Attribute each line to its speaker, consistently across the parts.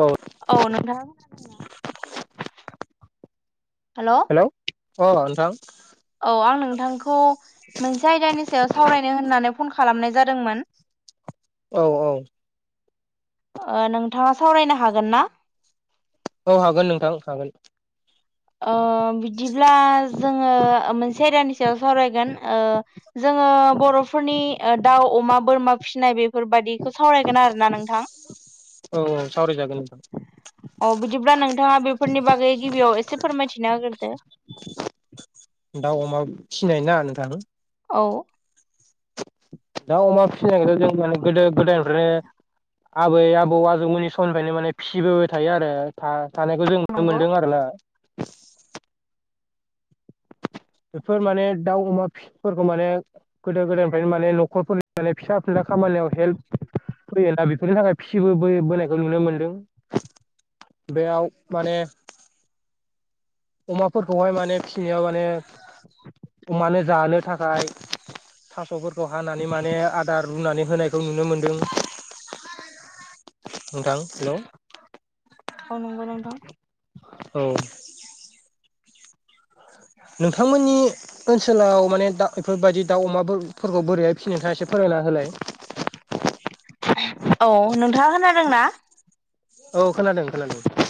Speaker 1: औ
Speaker 2: औ नोंथाङा खोनादोंना। हेल' ।
Speaker 1: हेलौ अ नोंथां।
Speaker 2: नोंथांखौ मोनसे आयदानि सायाव सावरायनो होननानै फन खालामनाय जादोंमोन ।
Speaker 1: औ औ ।
Speaker 2: ओ नोंथाङा सावरायनो हागोन ना?
Speaker 1: औ हागोन नोंथां हागोन ।
Speaker 2: ओ बिदिब्ला जोङो मोनसे आयदानि सायाव सावरायगोन ओ जोङो बर'फोरनि दाउ अमा बोरमा फिसिनाय बेफोरबादिखौ सावरायगोन आरोना नोंथां ।
Speaker 1: औ औ सावरायगोन ।
Speaker 2: अ बिदिब्ला नोंथाङा बेफोरनि बागै गिबियाव एसे फोरमायथिना हागोरदो ।
Speaker 1: दाउ अमा फिनाय ना नोंथां?
Speaker 2: औ ।
Speaker 1: दाउ अमा फिसिनायखौ जों माने गोदो गोदायनिफ्रायनो आबै आबौ आजौ मोननि समनिफ्रायनो माने फिसिबोबाय थायो आरो था थानायखौ जों नुनो
Speaker 2: नंगौ
Speaker 1: मोनदों आरो ना । बेफोर माने दाउ अमा फिफोरखौ माने गोदो गोदायनिफ्रायनो माने न'खरफोरनि माने फिसा फिला खामानियाव हेल्प फैयोना बेफोरनि थाखाय फिसिबो बोनायखौ नुनो मोनदों बेयाव माने अमाफोरखौहाय माने फिनायाव माने अमानो जानो थाखाय थास'फोरखौ हानानै माने आदार रुनानै होनायखौ नुनो मोनदों नोंथां हेल' ।
Speaker 2: औ नंगौ नोंथां
Speaker 1: [inaudible] नोंथांमोननि ओनसोलाव माने दा इफोरबायदि दाउ अमा बो फोरखौ बोरैहाय फियो नोंथाङा एसे फोर मायना होलाय
Speaker 2: [inaudible] औ नोंथाङा खोनादोंना
Speaker 1: औ खोनादों खोनादों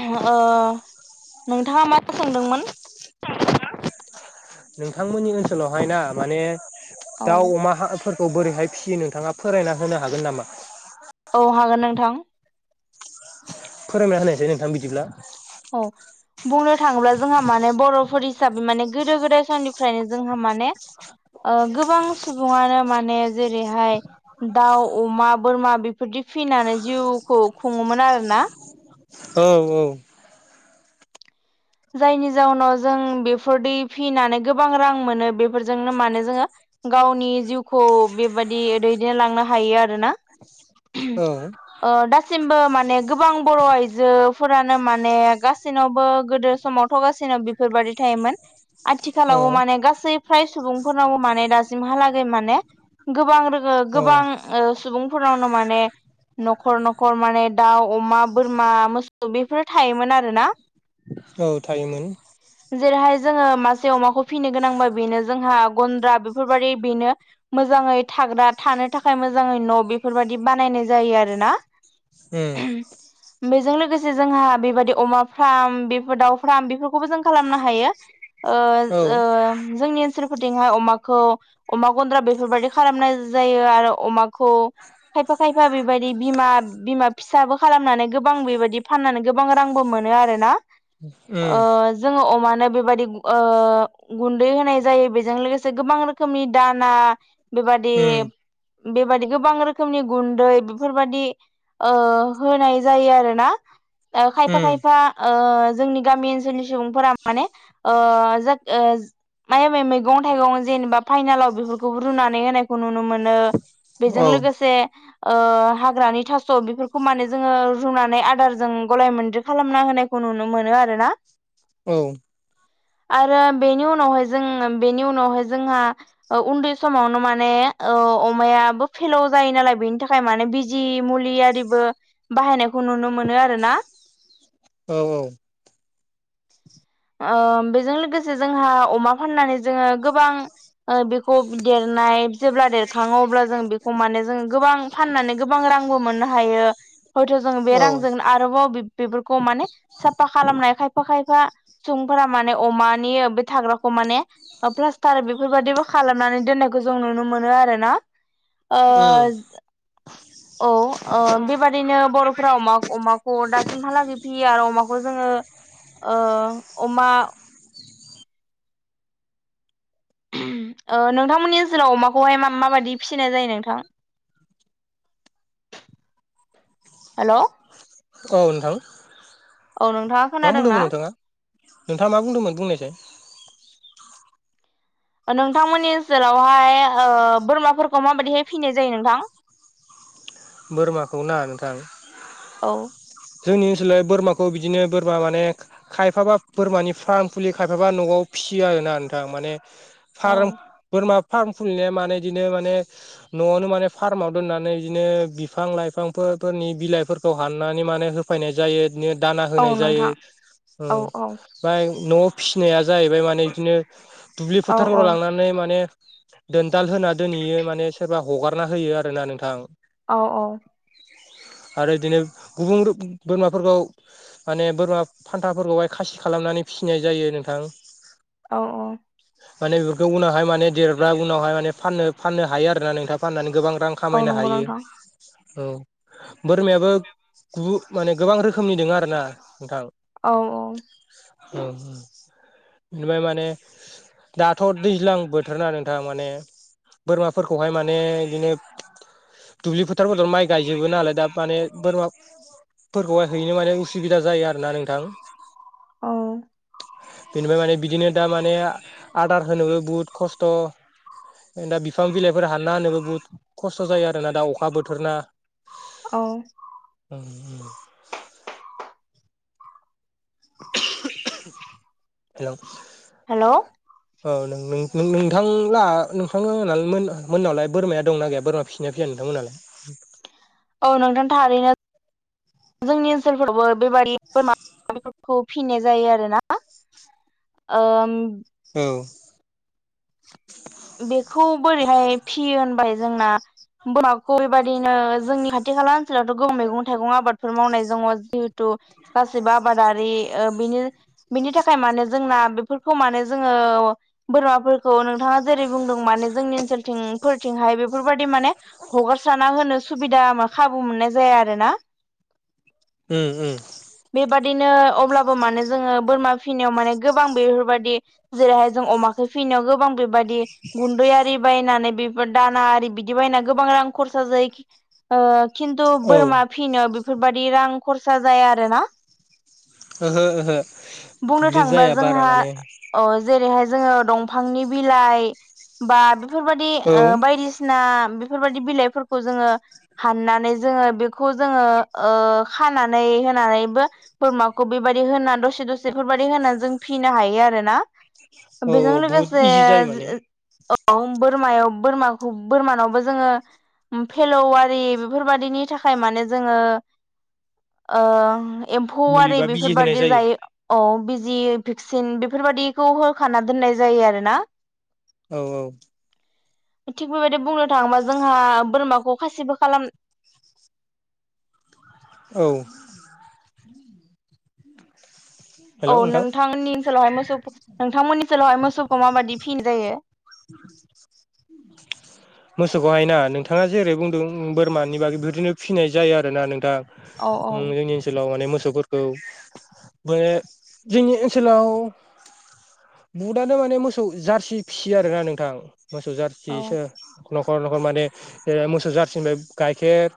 Speaker 2: उहम ओ नोंथाङा मा सोंदोंमोन
Speaker 1: नोंथांमोननि ओनसोलावहाय ना माने
Speaker 2: औ
Speaker 1: दाउ अमा हा फोर औ बोरैहाय फियो नोंथाङा फोरायना होनो हागोन नामा
Speaker 2: औ हागोन नोंथां
Speaker 1: फोरायना होनायसै नोंथां बिदिब्ला
Speaker 2: औ बुंनो थाङोब्ला जोंहा माने बरफोर हिसाबै माने गोदो गोदाय समनिफ्रायनो जोंहा माने ओ गोबां सुबुङानो माने जेरैहाय दाउ अमा बोरमा बेफोर बिदि फिनानै जिउखौ खुङोमोन आरो ना
Speaker 1: औ औ
Speaker 2: जायनि जाउनाव जों बेफोर दै फिनानै गोबां रां मोनो बेफोरजोंनो माने जोङो गावनि जिउखौ बेबादि दैदेनलांनो हायो आरोना
Speaker 1: औ
Speaker 2: ओ दा गासिमबो माने गोबां बर‌ आइजोफोरानो माने गासैनावबो गोदो समाव थगासिनाव बेफोरबायाददि थायोमोन
Speaker 1: औ
Speaker 2: आथिखालावबो माने गासै फ्राय सुबुंफोरनावबो माने दासिमहालागै माने गोबां रोङो
Speaker 1: औ
Speaker 2: गोबां ओ सुबुंफोरनावनो माने नखर नखर माने दाउ अमा बोरमा मोसौ बेफोर‌ थायोमोन आरोना [inaudible]
Speaker 1: औ थायोमोन
Speaker 2: जेरैहाय जोङो मासे अमाखौ फिसिनो गोनांबा बेनो जोंहा गन्द्रा बेफोरबाददि बेनो मोजाङै थाग्रा थानो थाखाय मोजाङै न‌ बेफोरबायादि बानायनाय जायो आरो ना
Speaker 1: ओम
Speaker 2: बेजों लोगोसे जोंहा बेबायदि अमा फार्म बेफोर दाउ फार्म बेफोरखौबो जों खालामनो हायो ओ
Speaker 1: औ
Speaker 2: ओ जोंनि ओनसोलफोरथिंहाय अमाखौ अमा गन्द्रा बेफोरबायाददि खालामनाय जायो आरो अमाखौ खायफा खायफा बेबायदि बिमा बिमा फिसाबो खालामनानै गोबां बेबायदि फाननानै गोबां रां बो मोनो आरोना
Speaker 1: उम
Speaker 2: ओ जोङो अमानो बेबायदि ओ गुन्दै होनाय जायो बेजों लोगोसे गोबां रोखोमनि दाना ना बेबादि
Speaker 1: उम
Speaker 2: बेबादि गोबां रोखोमनि गुन्दै बेफोरबायदि ओ होनाय जायो आरो ना खायफा
Speaker 1: उम
Speaker 2: खायफा ओ जोंनि गामि ओनसोलनि सुबुंफोरा माने ओ ओ माया माया मैगं थाइगं जेनेबा फाइनालाव बेफोरखौ रुनानै होनायखौ नुनो मोनो बेजों
Speaker 1: औ
Speaker 2: लोगोसे ओ हाग्रानि थास बेफोरखौ माने जोङो रुनानै आदारजों गलाय मोनद्रि खालामना होनायखौ नुनो मोनो आरोना
Speaker 1: औ
Speaker 2: [inaudible] आरो बेनि उनावहाय जों बेनि उनावहाय जोंहा उन्दै समावनो माने औ अमायाबो फेलौ जायो नालाय बेनि थाखाय माने बिजि मुलि आरिबो बाहायनायखौ नुनो मोनो आरोना
Speaker 1: औ औ
Speaker 2: ओ बेजों लोगोसे जोंहा अमा फाननानै जोङो गोबां ओ बेखौ देर नाय जेब्ला देरखाङो अब्ला जों बेखौ माने जों गोबां फाननानै गोबां रांबो मोननो हायो हयथ' जों बे
Speaker 1: औ
Speaker 2: रांजों आरोबाव बेफोरखौ माने साफा खालामनाय खायफा खायफा सुबुंफोरा माने अमानि बे थाग्राखौ माने प्लास्टार बेफोरबाददिबो खालामनानै दोननायखौ जों नुनो मोनो आरोना ओ
Speaker 1: उम
Speaker 2: औ ओ बेबादिनो बर'फोरा अमा अमाखौ दासिमहालागै फैयो आरो अमाखौ जोङो ओ अमा ओ नोंथांमोननि ओसोलाव अमाखौहाय माबायदियै फिसिनाय जायो नोंथां हेलौ
Speaker 1: औ नोंथां
Speaker 2: औ नोंथां
Speaker 1: मा बुंदोंमोन नोंथां नोंथां मा बुंदोंमोन बुंनायसै
Speaker 2: नोंथांमोननि ओनसोलावहाय ओ बोरमाफोरखौ माबायदिहाय फिनाय जायो नोंथां [inaudible]
Speaker 1: बोरमाखौ ना नोंथां
Speaker 2: औ
Speaker 1: जोंनि ओनसोलाव बोरमाखौ बिदिनो बोरमा माने खायफाबा बोरमानि फार्म खुलियो खायफाबा न'आव फिसियो आरोना नोंथां माने
Speaker 2: औ
Speaker 1: फार्म बोरमा फार्म खुलिनाया माने इदिनो माने न'आवनो माने फार्माव दोननानै इदिनो बिफां लाइफांफोर फोरनि बिलाइफोरखौ हाननानै माने होफायनाय जायो इदिनो दाना
Speaker 2: औ
Speaker 1: होनाय जायो
Speaker 2: नोंथां
Speaker 1: ओ
Speaker 2: औ औ
Speaker 1: ओमफाय नआव फिसिनाया जाहैबाय माने बिदिनो दुब्लि
Speaker 2: औ औ
Speaker 1: फोथारफोराव लांनानै माने दोनथाल होना दोनहैयो माने सोरबा हगारना होयो आरो ना नोंथां
Speaker 2: औ औ
Speaker 1: आरो बिदिनो गुबुन बोरमाफोरखौ माने बोरमा फान्थाफोरखौहाय खासि खालामनानै फिसिनाय जायो नोंथां
Speaker 2: औ औ
Speaker 1: माने बेफोरखौ उनावहाय माने देरब्ला उनावहाय माने फाननो फाननो हायो आरोना नोंथां फाननानै गोबां रां
Speaker 2: औ
Speaker 1: खामायनो
Speaker 2: नंगौ
Speaker 1: हायो
Speaker 2: नोंथां
Speaker 1: औ बोरमायाबो गुबु गोबां रोखोमनि रोखोमनि दोङो आरो ना नोंथां
Speaker 2: औ औ
Speaker 1: बिनिफ्राय माने दाथ' दैज्लां बोथोरना नोंथां माने बोरमाफोरखौहाय माने इदिनो दुब्लि फो फोथार फोरावथ माइ गायजोबो नालाय दा माने बोरमा फोरखौहाय हैनो माने उसुबिदा जायो आरो ना नोंथां
Speaker 2: औ
Speaker 1: बेनिफाय माने बिदिनो दा माने आदार होनोबो बुहुत खस्थ' दा बिफां बिलाइफोर हानना होनोबो बुहुत खस्थ' जायो आरो ना दा अखा बोथोरना
Speaker 2: औ
Speaker 1: [inaudible]
Speaker 2: [inaudible]
Speaker 1: हेल' औ नों नों नों नोंथां लाहा नोंथां मोना मोनावलाय बोरमाया दंना गैया बोरमा फिसिनाया फिसिया नोंथांमोनालाय
Speaker 2: नोंथां थारैनो जोंनि ओनसोलफोरावबो बेबादि बोरमा माबाफोरखौ फिनाय जायो आरोना ओम
Speaker 1: औ
Speaker 2: बेखौ बोरैहाय फियो होनबाय जोंना [unintelligible] बेबायदिनो जोंनि खाथि खाला ओनसोलावथ' गोबां मैगं थाइगं आबादफोर मावनाय दङ जिहेथु गासैबो आबादारि ओ बिनि बिनि थाखाय माने जोंना बेफोरखौ माने जोङो बोरमाफोरखौ नोंथाङा जेरै बुंदों माने जोंनि ओनसोलथिं फोरथिंहाय बेफोरबायाददि माने हगारसाराना होनो सुबिदा खाबु मोननाय जाया आरो ना [inaudible]
Speaker 1: उम उम
Speaker 2: बिदिनो अब्लाबो माने जोङो बोरमा फिसिनायाव माने गोबां बेफोरबायदि जेरैहाय जों अमाखौ फि नियाव गोबां बेबायदि गुन्दैआरि बायनानै बे दाना आरि बिदि बायना गोबां रां खरसा जायो ओ खिन्थु
Speaker 1: औ
Speaker 2: बोरमा फिनो बेफोरबायदि रां खरसा जाया आरो ना
Speaker 1: ओहो ओहो
Speaker 2: बुंनो
Speaker 1: दुब्लि
Speaker 2: थाङोबा
Speaker 1: जाया बारा
Speaker 2: जोंहा
Speaker 1: माने
Speaker 2: अ जेरैहाय जोङो दंफांनि बिलाइ बा बेफोरबादि
Speaker 1: औ
Speaker 2: ओ बायदिसिना बेफोरबादि बिलाइफोरखौ जोङो हाननानै जोङो बेखौ जोङो ओ खानानै होनानैबो बोरमाखौ बेबायदि होना दसे दसे बेफोरबायदि होनानै जों फिसिनो हायो आरो ना । बेजों
Speaker 1: औ बुहुद
Speaker 2: लोगोसे
Speaker 1: इजि जायो माने
Speaker 2: [unintelligible] औ बोरमायाव बोरमाखौ बोरमानावबो जोङो। फेलौवारि बेफोरबादिनि थाखाय माने जोङो ओ एम्फौ
Speaker 1: मुलि
Speaker 2: आरि
Speaker 1: बा बिजि होनाय
Speaker 2: बेफोरबादि जायो। औ बिजि भेक्सिन बेफोरबादिखौ होखाना दोननाय जायो आरो ना।
Speaker 1: औ औ
Speaker 2: थिग बेबायदि बुंनो थाङोबा जोंहा बोरमाखौ खासिबो खालाम [inaudible]
Speaker 1: औ
Speaker 2: औ
Speaker 1: हेलौ नोंथां
Speaker 2: नोंथांमोननि ओनसोलावहाय मोसौ नोंथांमोननि ओनसोलावहाय मोसौखौ माबायदि फिनाय जायो।
Speaker 1: [unintelligible] मोसौखौहाय ना नोंथाङा जेरै बुंदों बोरमानि बागै बेदिनो फिसिनाय जायो आरोना नोंथां।
Speaker 2: औ
Speaker 1: ओ
Speaker 2: औ
Speaker 1: जोंनि ओनसोलाव माने मोसौफोरखौ बे जोंनि ओनसोलाव बुटआनो माने मोसौ जारसि फिसियो आरोना नोंथां। मोसौ
Speaker 2: औ
Speaker 1: जारसिसो न'खर न'खर माने मोसौ जारसिनिफ्राय गाइखेर ।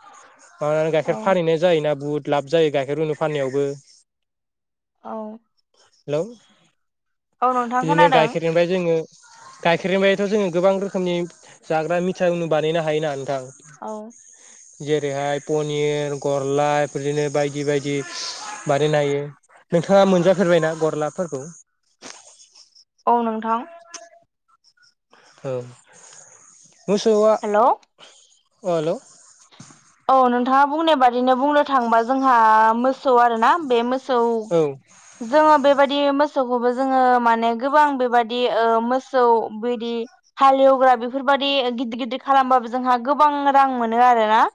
Speaker 1: माबानानै
Speaker 2: औ
Speaker 1: गाइखेर फानहैनाय जायोना बुहुत लाब जायो गाइखेर रुनु फाननायावबो ।
Speaker 2: औ
Speaker 1: हेलौ
Speaker 2: औ नोंथां
Speaker 1: बिदिनो
Speaker 2: खोनादों
Speaker 1: गाइखेरनिफ्राय जोङो गाइखेरनि बायथ' जोङो गोबां रोखोमनि जाग्रा मिथा बानायनो हायोना नोंथां।
Speaker 2: औ
Speaker 1: जेरैहाय पनिर गरलाफोरदिनो बायदि बायदि बानायनो हायो। नोंथाङा मोनजाफेरबायना गरलाफोरखौ?
Speaker 2: औ नोंथां।
Speaker 1: औ मोसौआ
Speaker 2: हेलौ
Speaker 1: अ हेलौ।
Speaker 2: औ नोंथाङा बुंनाय बादिनो बुंनो थाङोबा जोंहा मोसौ आरोना बे मोस -सौ
Speaker 1: औ
Speaker 2: जोङो बेबायदि मो -सौखौबो जोङो माने गोबां बेबादि ओ मोसौ बिदि हालेवग्रा बेफोरबाय -दि गिदिर गिदिर खालामबाबो जोंहा गोबां रां मोनो आरो ना।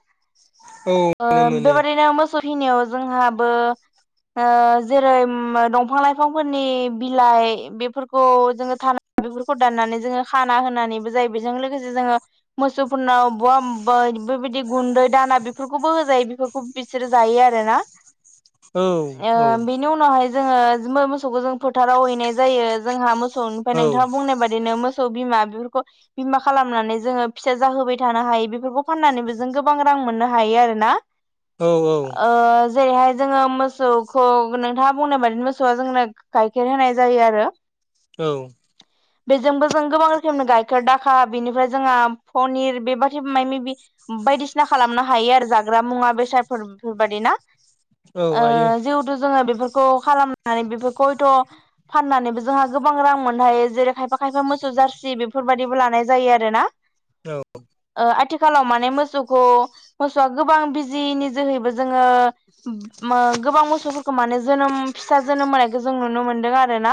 Speaker 1: औ
Speaker 2: ओ
Speaker 1: मोनो
Speaker 2: बेबादिनो मोसौ हिनियाव जोंहाबो ओ जेरै दंफां लाइफांफोरनि बिलाइ बेफोरखौ जोङो थानो। बेफोरखौ दाननानै जोङो खाना होनानैबो जायो बेजों लोगोसे जोङो मोसौफोरनाव बहामबै बेबायदि गुन्दै दाना बेफोरखौबो होजायो बेफोरखौ बिसोरो जायो आरो ना।
Speaker 1: औ
Speaker 2: ओ बेनि उनावहाय जोङो मोसौखौ जों फोथाराव हैनाय जायो जोंहा मोसौनिफ्राय
Speaker 1: औ
Speaker 2: नोंथाङा बुंनाय बायदिनो मोस -सौ बिमा बेफोरखौ बिमा खालामनानै जोङो फिसा जाहोबाय थानो हायो बेफोरखौ फाननानैबो जों गोबां रां मोननो हायो आरोना।
Speaker 1: औ औ
Speaker 2: ओ जेरैहाय जोङो मोसौखौ नोंथाङा बुंनाय बादि मोसौआ जोंनो गाइखेर होनाय जायो आरो।
Speaker 1: औ
Speaker 2: बेजोंबो जों गोबां रोखोमनि गाइखेर दाखा बेनिफ्राय जोंहा पनिर बेबादि माय मिबि बायदिसिना खालामनो हायो आरो जाग्रा मुवा बेसादफोर बेफोरबायदि ना?
Speaker 1: औ
Speaker 2: ओ
Speaker 1: हायो
Speaker 2: जिहेथु जोङो बेफोर खौ खालामनानै बेफोरखौ हयथ' फाननानैबो जोंहा गोबां रां मोननो हायो जेरै खायफा खायफा मोसौ जारसि बेफोरबायाददिबो लानाय जायो आरोना
Speaker 1: औ
Speaker 2: आथिखालाव मा ने मोसौखौ मोसौआ गोबां बिजिनि जोहैबो जोङो ओ गोबां मोसौफोरखौ माने जोनोम फिसा जोनोम होनायखौ जों नुनो मोनदों आरो ना।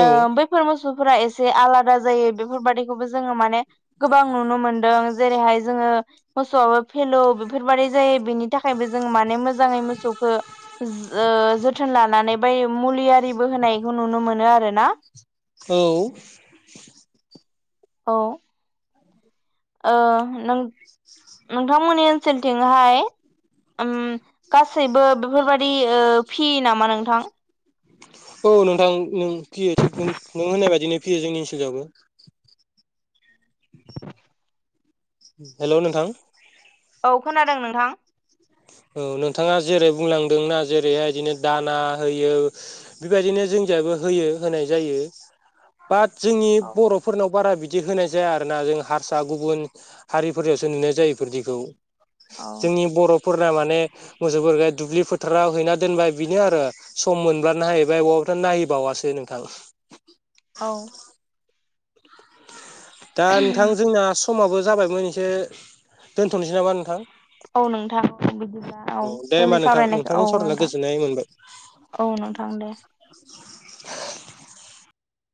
Speaker 2: ओ बैफोर मोसौफोरा एसे आलादा जायो बेफोरबादिखौबो जोङो माने गोबां नुनो मोनदों जेरैहाय जोङो मोसौआबो फेलौ बेफोरबायदि जायो। बेनि थाखायबो जोंङो माने मोजांङै मोसौखौ जोथोन ओ लानानै ओमफ्राय मुलि आरिबो होनायखौ नुनो मोनो आरो ना।
Speaker 1: औ।
Speaker 2: औ। ओ नों-नोंथांमोननि ओनसोलथिंहाय ओम गासैबो बेफोरबाददि ओ फियो नामा नोंथां?
Speaker 1: औ नोंथां नों फियो थिग नों होननाय बायदिनो फियो जोंनि ओनसोलावबो। हेलौ नोंथां।
Speaker 2: औ खोनादों नोंथां।
Speaker 1: औ नोंथाङा जेरै बुंलांदों ना जेरैहाय बिदिनो दाना होयो बेबायदिनो जों निजायबो होयो होनाय जायो बात जोंनि
Speaker 2: औ
Speaker 1: बरफोरनाव बारा बि दि होनाय जाया आरोना जों हारसा गुबुन हारिफोरयावसो नुनाय जायो इफोरदिखौ।
Speaker 2: औ
Speaker 1: जोंनि बर फोरना माने मोसौफोरखो दुब्लि फोथाराव हैना दोनबाय बिनो आरो सम मोनब्लानो नायहैबाय अ बाथ नायैबावासो नोंथां।
Speaker 2: औ।
Speaker 1: दा नोंथां जोंना समाबो जाबायमोन एसे दोनथनोसै नामा नोंथां।
Speaker 2: औ नोंथां बिदिब्ला औ
Speaker 1: दे होमबा
Speaker 2: जोंनि
Speaker 1: नोंथां
Speaker 2: सावरायनायखौ
Speaker 1: नोंथांजों
Speaker 2: औ औ
Speaker 1: सावरायना
Speaker 2: नोंथां।
Speaker 1: गोजोननाय मोनबाय
Speaker 2: औ नोंथां दे।
Speaker 1: [inaudible]